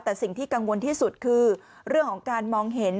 แต่สิ่งที่กังวลที่สุดคือเรื่องของการมองเห็น